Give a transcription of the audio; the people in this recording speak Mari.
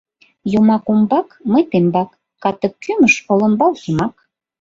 Йомак умбак, мый тембак, катык кӱмыж олымбал йымак!